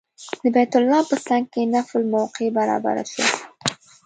د بیت الله په څنګ کې نفل موقع برابره شوه.